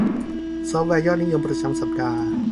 ซอฟต์แวร์ยอดนิยมประจำสัปดาห์